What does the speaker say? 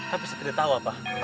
tapi saya tidak tahu apa itu